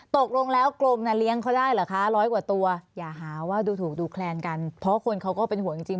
ตกลงแล้วกรมน่ะเลี้ยงเขาได้เหรอคะร้อยกว่าตัวอย่าหาว่าดูถูกดูแคลนกันเพราะคนเขาก็เป็นห่วงจริง